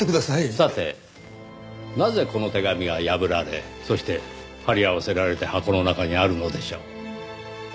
さてなぜこの手紙が破られそして貼り合わせられて箱の中にあるのでしょう？